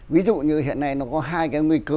ví dụ như hiện nay nó có hai cái nguy cơ